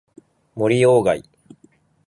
森鴎外